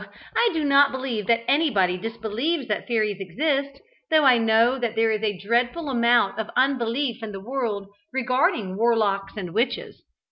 I do not believe that anybody disbelieves that fairies exist, though I know that there is a dreadful amount of unbelief in the world regarding warlocks and witches.